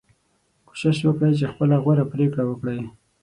کوشش وکړئ چې خپله غوره پریکړه وکړئ.